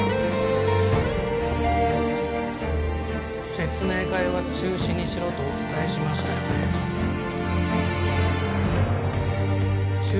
説明会は中止にしろとお伝えしましたよねえっ？